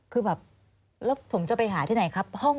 คือแบบแล้วผมจะไปหาที่ไหนครับ